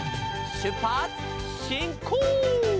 「しゅっぱつしんこう！」